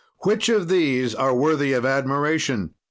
"Which of these are worthy of admiration?